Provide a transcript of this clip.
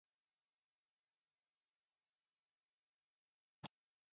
The mall also boasts Southeast Asia's first indoor ice rink.